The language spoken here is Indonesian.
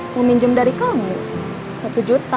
mau minjem dari kamu satu juta